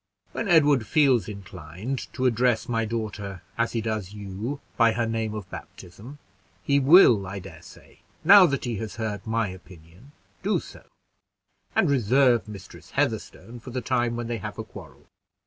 When Edward feels inclined to address my daughter as he does you, by her name of baptism, he will, I dare say, now that he has heard my opinion, do so; and reserve 'Mistress Heatherstone,' for the time when they have a quarrel."